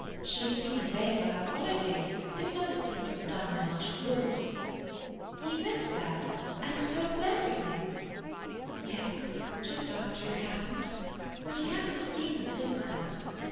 She had been away for her holiday, but it doesn't seem to have done her much good." "He went there and told them everything?" "Yes—just after it happened. But he hasn't seen them since that.